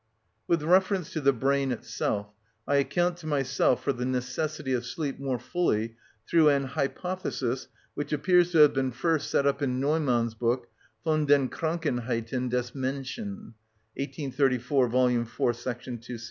With reference to the brain itself, I account to myself for the necessity of sleep more fully through an hypothesis which appears to have been first set up in Neumann's book, "Von den Krankheiten des Menschen," 1834, vol. 4, § 216.